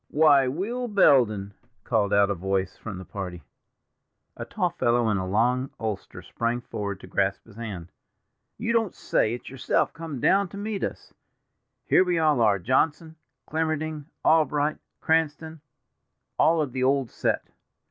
"Why, Will Belden!" called out a voice from the party. A tall fellow in a long ulster sprang forward to grasp his hand. "You don't say it's yourself come down to meet us. Here we all are, Johnson, Clemmerding, Albright, Cranston—all of the old set.